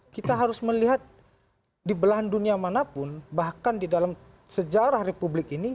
kita harus melihat di belahan dunia manapun bahkan di dalam sejarah republik ini